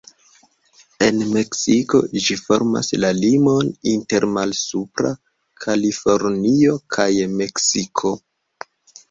En Meksiko ĝi formas la limon inter Malsupra Kalifornio kaj Meksiko.